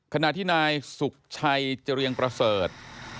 ขณะที่นายสุขชัยเจรียงประเสริฐ